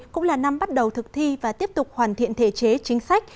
hai nghìn hai mươi cũng là năm bắt đầu thực thi và tiếp tục hoàn thiện thể chế chính sách